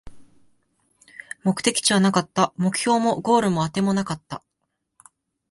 目的地はなかった、目標もゴールもあてもなかった